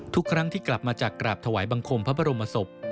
ทุกครั้งที่กลับมาจากกราบถวายบังคมพระบรมศพ